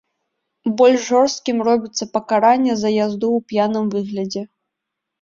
Больш жорсткім робіцца пакаранне за язду ў п'яным выглядзе.